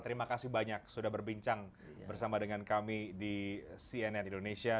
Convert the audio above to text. terima kasih banyak sudah berbincang bersama dengan kami di cnn indonesia